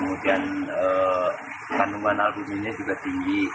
kemudian kandungan albun ini juga tinggi